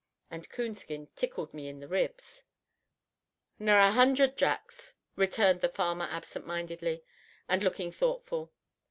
And Coonskin tickled me in the ribs. "Ner a hundred Jacks," returned the farmer absentmindedly, and looking thoughtful.